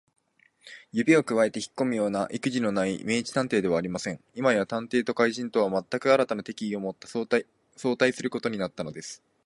指をくわえてひっこむようないくじのない明智探偵ではありません。今や探偵と怪人とは、まったく新たな敵意をもって相対することになったのです。